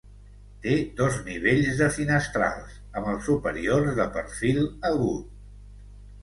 Té dos nivells de finestrals, amb els superiors de perfil agut.